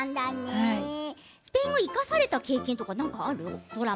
スペイン語が生かされた経験とかある？